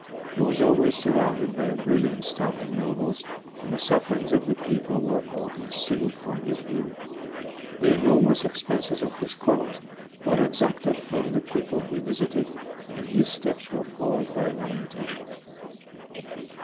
He was always surrounded by a brilliant staff of nobles, and the sufferings of the people were all concealed from his view. The enormous expenses of his court were exacted from the people he visited, and his steps were followed by lamentations.